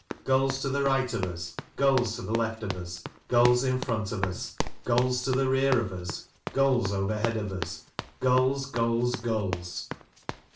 •Gulls to the right of us ; gulls to the left of us ; gulls in front of us ; gulls to the rear of us ; gulls overhead of us ; gulls, gulls, gulls